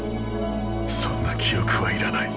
そんな記憶はいらない。